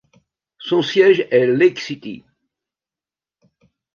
Son siège est Lake City.